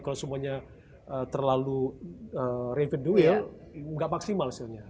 kalau semuanya terlalu revet the wheel nggak maksimal hasilnya